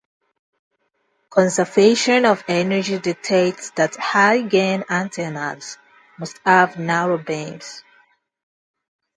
Conservation of energy dictates that high gain antennas must have narrow beams.